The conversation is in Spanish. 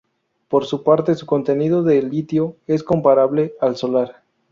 Por su parte, su contenido de litio es comparable al solar.